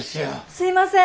すいません！